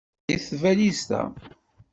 Ẓẓayet tbalizt-a.